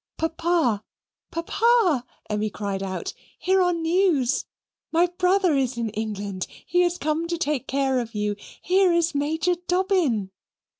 "Papa, Papa!" Emmy cried out, "here are news! My brother is in England. He is come to take care of you. Here is Major Dobbin."